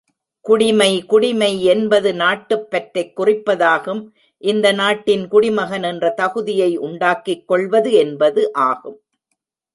குடிமை குடிமை என்பது நாட்டுப்பற்றைக் குறிப்பதாகும் இந்த நாட்டின் குடிமகன் என்ற தகுதியை உண்டாக்கிக் கொள்வது என்பது ஆகும்.